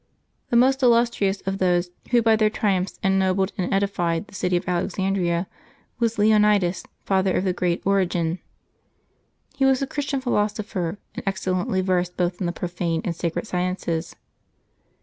The most illustrious of those who by their triumphs en nobled and edified the city of Alexandria was Leonides, father of the great Origen. He was a Christian philos opher, and excellently versed both in the profane and sacred sciences.